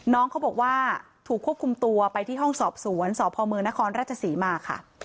น้องเขาบอกว่าถูกควบคุมตัวไปที่ห้องสอบสวนสพมนครราชศรีมาค่ะ